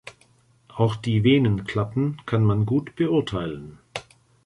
Auch die Venenklappen kann man gut beurteilen.